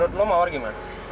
menurut lo mawar gimana